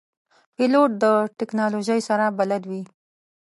پیلوټ د تکنالوژۍ سره بلد وي.